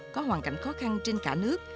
có hoàn cảnh khó khăn trên cả nước